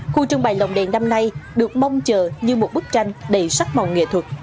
khu trưng bày lồng đèn năm nay được mong chờ như một bức tranh đầy sắc màu nghệ thuật